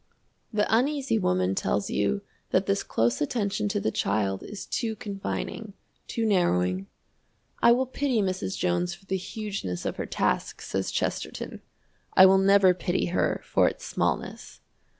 The Uneasy Woman tells you that this close attention to the child is too confining, too narrowing. "I will pity Mrs. Jones for the hugeness of her task," says Chesterton; "I will never pity her for its smallness."